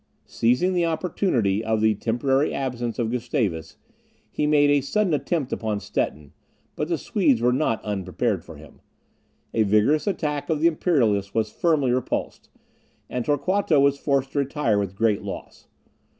Seizing the opportunity of the temporary absence of Gustavus, he made a sudden attempt upon Stettin, but the Swedes were not unprepared for him. A vigorous attack of the Imperialists was firmly repulsed, and Torquato was forced to retire with great loss.